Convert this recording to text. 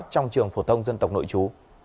trong trường phổ thông dân tộc nội chú